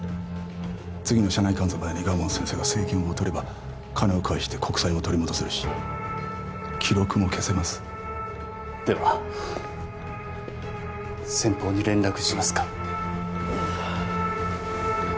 次の社内監査までに蒲生先生が政権をとれば金を返して国債も取り戻せるし記録も消せますでは先方に連絡しますか？